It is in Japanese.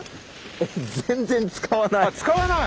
えっ全然使わない。